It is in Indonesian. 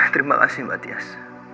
terima kasih mbak tias